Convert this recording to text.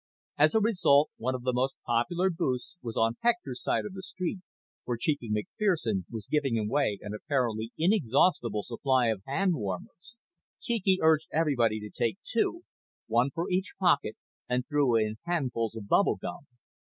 As a result one of the most popular booths was on Hector's side of the street where Cheeky McFerson was giving away an apparently inexhaustible supply of hand warmers. Cheeky urged everybody to take two, one for each pocket, and threw in handfuls of bubble gum.